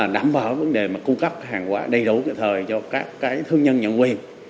đảm bảo vấn đề cung cấp hàng quả đầy đủ thời cho các thương nhân nhận quyền